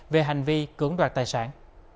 về hành vi cưỡng đoạt tài sản